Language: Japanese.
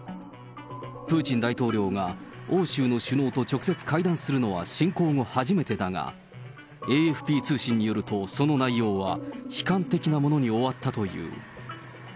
プーチン大統領が欧州の首脳と直接会談するのは侵攻後初めてだが、ＡＦＰ通信によるとその内容は、悲観的なものに終わったという。